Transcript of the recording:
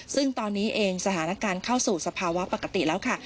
ซึ่งตอนนี้เองสถานการณ์เข้าสู่สภาวะปกติแล้วค่ะ